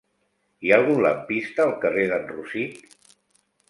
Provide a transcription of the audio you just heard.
Hi ha algun lampista al carrer d'en Rosic?